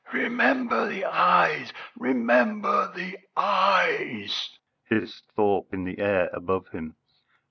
"Remember the eyes! Remember the eyes!" hissed Thorpe in the air above him.